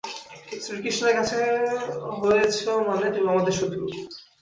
শ্রীকৃষ্ণের কাছের হয়েছো মানে, তুমি তাদের শত্রু।